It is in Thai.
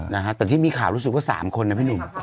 นะฮะแต่ที่มีข่าวรู้สึกว่าสามคนนะพี่หนุ่ม